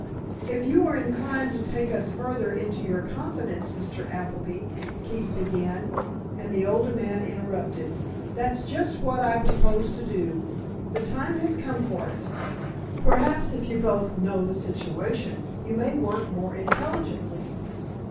"If you were inclined to take us further into your confidence, Mr. Appleby," Keefe began, and the older man interrupted: "That's just what I propose to do. The time has come for it. Perhaps if you both know the situation you may work more intelligently."